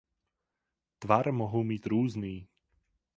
Tvar mohou mít různý.